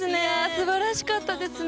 素晴らしかったですね。